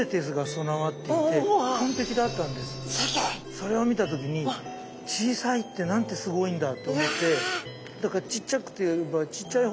それを見た時に小さいってなんてすごいんだと思ってだからちっちゃければちっちゃいほど好きです。